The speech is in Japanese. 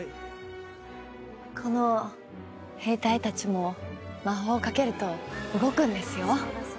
この兵隊達も魔法をかけると動くんですよ